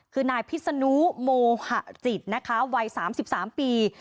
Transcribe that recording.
คือนายพิษนุโมหะจิตนะคะวัย๓๓ปี